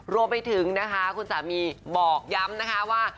รวมไปถึงนะคะคุณสามีบอกย้ำนะคะว่า